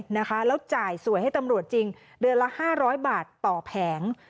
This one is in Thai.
แล้วจ่ายสวยให้ตำรวจจริงเดือนละ๕๐๐บาทต่อแผง